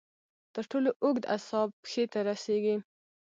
تر ټولو اوږد اعصاب پښې ته رسېږي.